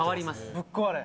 ぶっ壊れ。